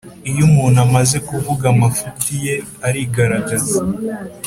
Iyo umuntu amaze kuvuga, amafuti ye arigaragaza,